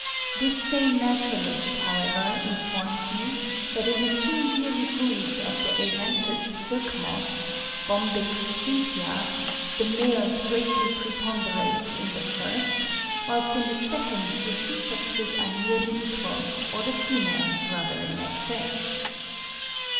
This same naturalist, however, informs me, that in the two yearly broods of the Ailanthus silk moth (Bombyx cynthia), the males greatly preponderate in the first, whilst in the second the two sexes are nearly equal, or the females rather in excess.